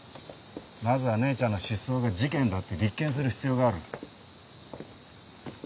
まずは姉ちゃんの失踪が事件だって立件する必要がある。